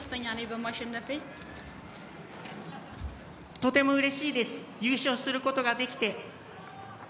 とてもうれしいです優勝することができて。